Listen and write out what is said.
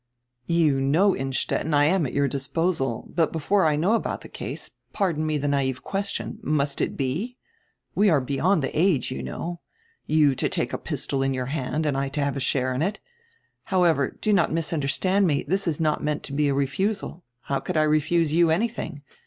"You know, Innstetten, I am at your disposal. But before I know about die case, pardon me die naive question, must it be? We are beyond die age, you know — you to take a pistol in your hand, and I to have a share in it. How ever, do not misunderstand me; diis is not meant to be a refusal. How could I refuse you anything?